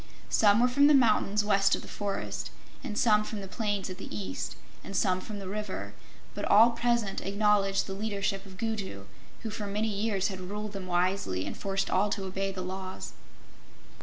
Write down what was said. Some were from the mountains west of the forest, and some from the plains at the east, and some from the river; but all present acknowledged the leadership of Gugu, who for many years had ruled them wisely and forced all to obey the laws.